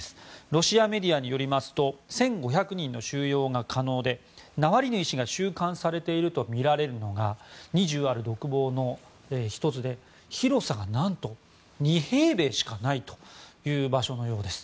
ロシアメディアによりますと１５００人の収容が可能でナワリヌイ氏が収監されているとみられるのが２０ある独房の１つで広さが何と２平米しかないという場所のようです。